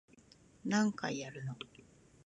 何回やるの